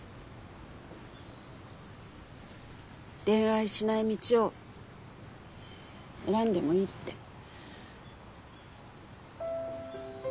恋愛しない道を選んでもいいって。